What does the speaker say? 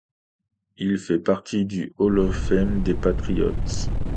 Il fait partie du Hall of Fame des Patriots.